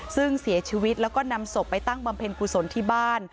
ซึ่งเสียชีวิตแล้วก็นำศพไปตั้งบำเพ็ญกุศลที่บ้าน